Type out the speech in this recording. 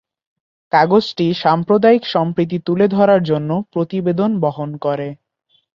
কাগজটি সাম্প্রদায়িক সম্প্রীতি তুলে ধরার জন্য প্রতিবেদন বহন করে।